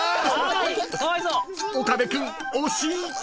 ［岡部君惜しい！］